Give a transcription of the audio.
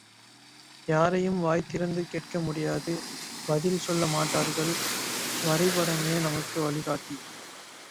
யாரையும் வாய் திறந்து கேட்க முடியாது பதில் சொல்ல மாட்டார்கள் வரைபடமே நமக்கு வழிகாட்டி.